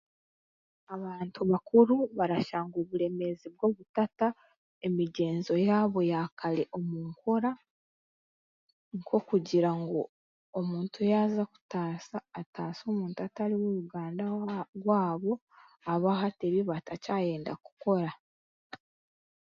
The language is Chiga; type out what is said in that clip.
Abantu bakuru barashanga obureemezi bw'obutata emigyenzo yaabo yaakare omu nkora nk'okugira ngu omuntu yaaza kutaasa ataase omuntu atari w'oruganda rwabo abaahati ebibatakyayenda kukora